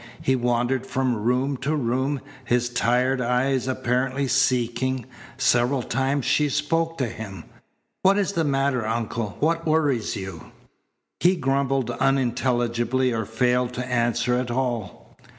He wandered from room to room, his tired eyes apparently seeking. Several times she spoke to him. "What is the matter, Uncle? What worries you?" He grumbled unintelligibly or failed to answer at all.